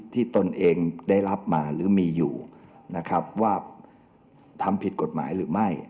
ตนเองได้รับมาหรือมีอยู่นะครับว่าทำผิดกฎหมายหรือไม่